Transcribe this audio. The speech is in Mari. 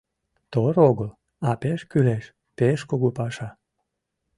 Тор огыл, а пеш кӱлеш, пеш кугу паша.